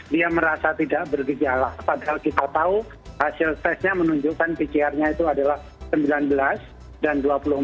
dia merasa tidak bergejala padahal kita tahu hasil tesnya menunjukkan pcr nya itu adalah sembilan belas dan dua puluh empat